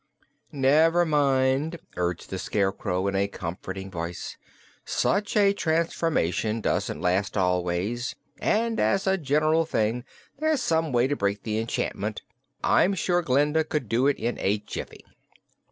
"Never mind," urged the Scarecrow, in a comforting voice, "such a transformation doesn't last always, and as a general thing there's some way to break the enchantment. I'm sure Glinda could do it, in a jiffy."